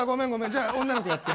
じゃあ女の子やって。